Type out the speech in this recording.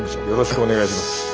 よろしくお願いします。